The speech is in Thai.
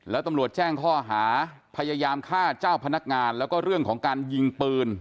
แล้วตำรวจแจ้งข้อหาพยายามฆ่าเจ้าพนักงานแล้วก็เรื่องของการยิงปืน